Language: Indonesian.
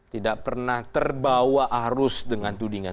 tidak pernah terbawa arus dengan tudingan